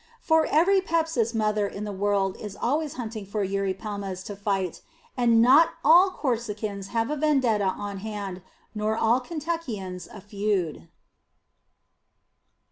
For every Pepsis mother in the world is always hunting for Eurypelmas to fight. And not all Corsicans have a vendetta on hand, nor all Kentuckians a feud."